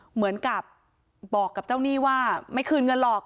เหมือนกับบอกกับเจ้าหนี้ว่าไม่คืนเงินหรอก